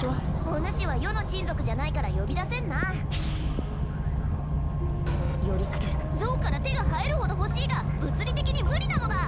おぬしは余の親族じゃないから呼び出せんなよりチケ像から手が生えるほど欲しいが物理的に無理なのだ